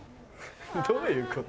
どういうこと？